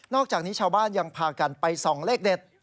อกจากนี้ชาวบ้านยังพากันไปส่องเลขเด็ด